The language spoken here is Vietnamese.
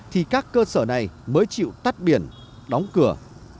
thì các cơ sở này mới chịu tắt biển đóng cửa